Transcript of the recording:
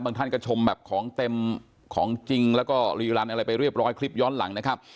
ท่านก็ชมแบบของเต็มของจริงแล้วก็รีรันอะไรไปเรียบร้อยคลิปย้อนหลังนะครับ